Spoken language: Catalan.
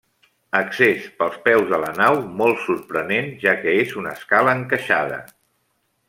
Accés, pels peus de la nau, molt sorprenent, ja que és una escala encaixada.